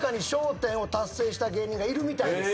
１０を達成した芸人がいるみたいです。